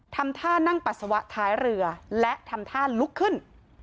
ทำท่านั่งปัสสาวะท้ายเรือและทำท่าลุกขึ้น